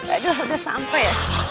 aduh udah sampai